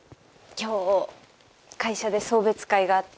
今日会社で送別会があって。